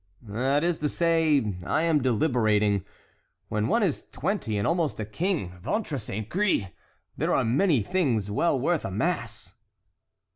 "That is to say, I am deliberating. When one is twenty and almost a king, ventre saint gris! there are many things well worth a mass."